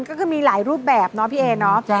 ก็คือมีหลายรูปแบบเนาะพี่เอเนาะ